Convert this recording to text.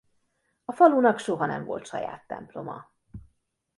A falunak soha nem volt saját temploma.